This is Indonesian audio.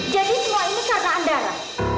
jadi semua ini karena andara